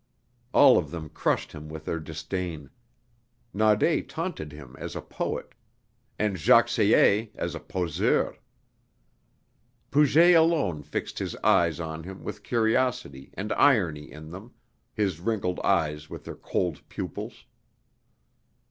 All of them crushed him with their disdain. Naudé taunted him as a "poet." And Jacques Sée as a poseur. Puget alone fixed his eyes on him with curiosity and irony in them, his wrinkled eyes with their cold pupils.